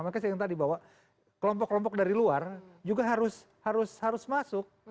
makanya saya yang tadi bahwa kelompok kelompok dari luar juga harus masuk